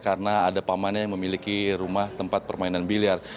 karena ada pamannya yang memiliki rumah tempat permainan biliar